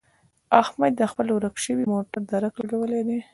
احمد د خپل ورک شوي موټر درک لګولی دی.